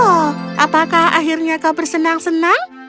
oh apakah akhirnya kau bersenang senang